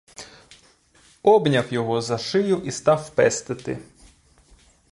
Обняв його за, шию і став пестити.